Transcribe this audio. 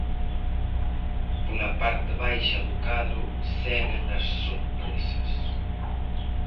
Pola parte baixa do cadro seguen as sorpresas.